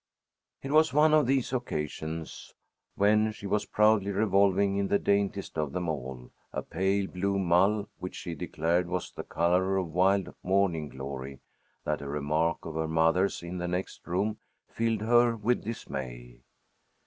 It was on one of these occasions, when she was proudly revolving in the daintiest of them all, a pale blue mull which she declared was the color of a wild morning glory, that a remark of her mother's, in the next room, filled her with dismay.